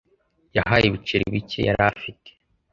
Yahaye ibiceri bike yari afite.